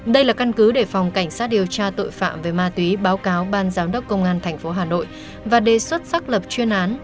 đây là căn cứ để phòng cảnh sát điều tra tội phạm về ma túy báo cáo ban giám đốc công an tp hà nội và đề xuất xác lập chuyên án